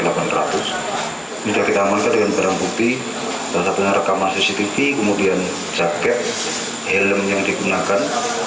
lalu kita membuat barang bubi rekaman cctv kemudian jaket helm yang digunakan